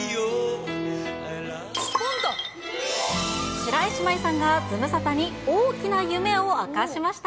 白石麻衣さんが、ズムサタに大きな夢を明かしました。